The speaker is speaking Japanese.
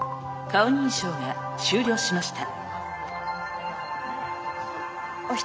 顔認証が終了しました。